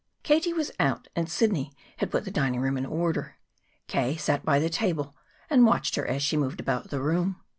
Katie was out, and Sidney had put the dining room in order. K. sat by the table and watched her as she moved about the room.